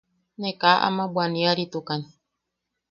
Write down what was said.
Ne kaa ama bwaniaritukan.